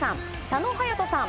佐野勇斗さん。